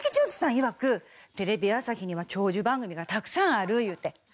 いわくテレビ朝日には長寿番組がたくさんあるいうて。